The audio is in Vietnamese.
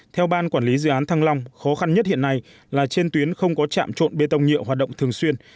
theo ban quản lý dự án thăng long khó khăn nhất hiện nay là trên tuyến không có trạm trộn bê tông nhựa hoạt động thường xuyên